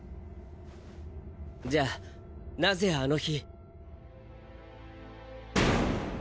じゃあなぜあの日。